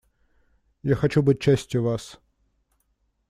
Я хочу быть частью вас.